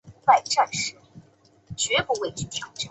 还有口传集十卷记载歌谣的历史等。